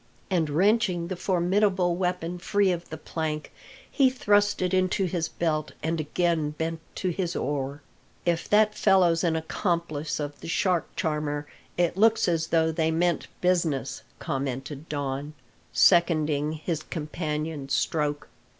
and wrenching the formidable weapon free of the plank, he thrust it into his belt and again bent to his oar. "If that fellow's an accomplice of the shark charmer, it looks as though they meant business," commented Don, seconding his companion's stroke.